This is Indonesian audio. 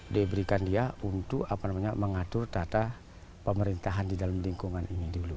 diberikan dia untuk mengatur tata pemerintahan di dalam lingkungan ini dulu